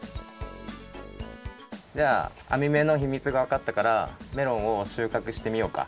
じゃああみ目のひみつがわかったからメロンを収穫してみようか。